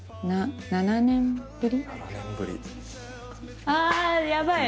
７年ぶり。